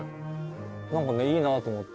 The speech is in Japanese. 何かねいいなと思って。